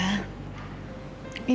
ibu juga berharap demikian mila